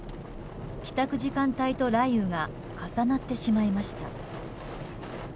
帰宅時間帯と雷雨が重なってしまいました。